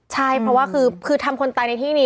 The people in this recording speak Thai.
ใช่เพราะว่าคือทำคนตายในที่นี้